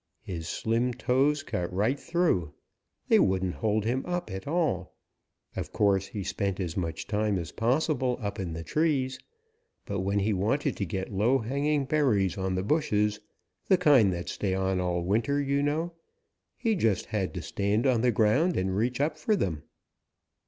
His slim toes cut right through. They wouldn't hold him up at all. Of course he spent as much time as possible up in the trees, but when he wanted to get low hanging berries on the bushes, the kind that stay on all winter, you know, he just had to stand on the ground and reach up for them.